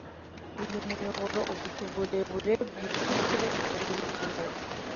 Uyu muyoboro ufite uburebure bwikubye kabiri uwo.